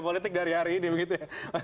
politik dari hari ini begitu ya